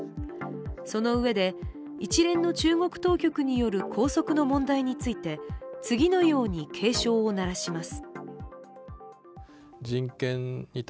そのうえで一連の中国当局による拘束の問題について次のように警鐘を鳴らします。